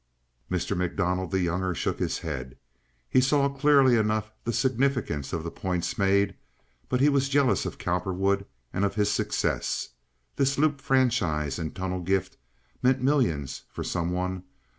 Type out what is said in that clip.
Mr. MacDonald, the younger, shook his head. He saw clearly enough the significance of the points made, but he was jealous of Cowperwood and of his success. This loop franchise and tunnel gift meant millions for some one.